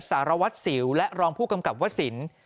สารวัตรสิวและรองผู้กำกับวสิน